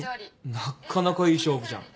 なっかなかいい勝負じゃん。